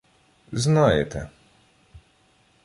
— Знаєте.